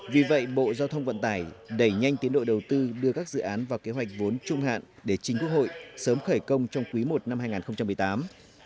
vì vậy bộ giao thông vận tải đẩy nhanh tiến độ đầu tư đưa các dự án vào kế hoạch vốn trung hạn để chính quốc hội sớm khởi công trong quý i năm hai nghìn một mươi tám